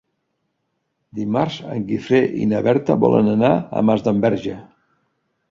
Dimarts en Guifré i na Berta volen anar a Masdenverge.